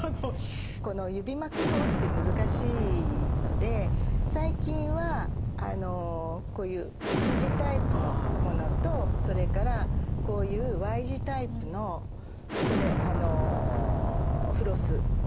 この指巻く用って難しいので最近はこういうＦ字タイプのものとそれからこういうＹ字タイプのフロスホルダーつきのフロスが出ています。